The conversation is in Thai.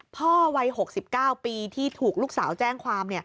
พ่อวัย๖๙ปีที่ถูกลูกสาวแจ้งความ